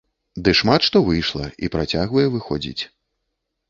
Ды шмат што выйшла і працягвае выходзіць.